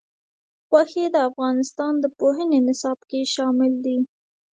غوښې د افغانستان د پوهنې نصاب کې شامل دي.